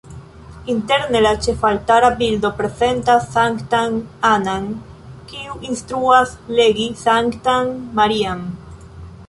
Interne la ĉefaltara bildo prezentas Sanktan Anna-n, kiu instruas legi Sanktan Maria-n.